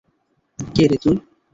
কে রে তুই?